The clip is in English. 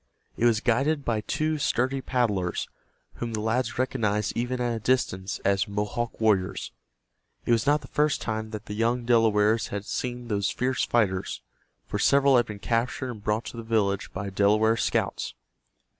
It was guided by two sturdy paddlers, whom the lads recognized even at a distance as Mohawk warriors. It was not the first time that the young Delawares had seen those fierce fighters, for several had been captured and brought to the village by Delaware scouts.